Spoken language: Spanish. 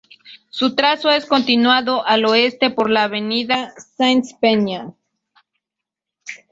Su trazo es continuado al oeste por la avenida Sáenz Peña.